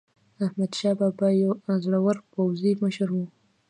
احمدشاه بابا یو زړور پوځي مشر و.